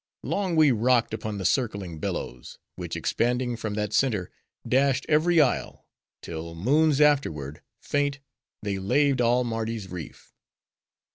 Long we rocked upon the circling billows, which expanding from that center, dashed every isle, till, moons after ward, faint, they laved all Mardi's reef.